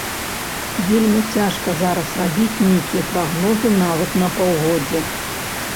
Вельмі цяжка зараз рабіць нейкія прагнозы нават на паўгоддзе.